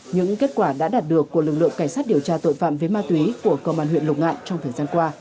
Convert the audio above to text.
những kết quả đã đạt được của lực lượng cảnh sát điều tra tội phạm về ma túy của công an huyện lục ngạn trong thời gian qua